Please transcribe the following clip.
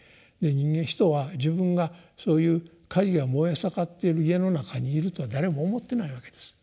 人間人は自分がそういう火事が燃え盛っている家の中にいるとは誰も思ってないわけです。